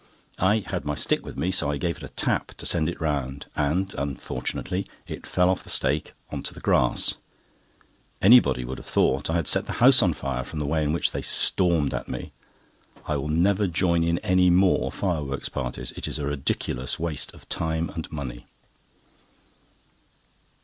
I had my stick with me, so I gave it a tap to send it round, and, unfortunately, it fell off the stake on to the grass. Anybody would have thought I had set the house on fire from the way in which they stormed at me. I will never join in any more firework parties. It is a ridiculous waste of time and money.